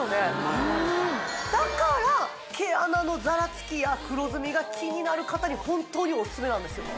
やだから毛穴のざらつきや黒ずみがキニナル方に本当におすすめなんですよ